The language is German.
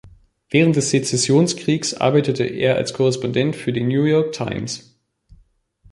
Während des Sezessionskrieges arbeitete er als Korrespondent für die "New York Times".